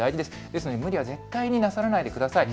ですので無理は絶対になさらないでください。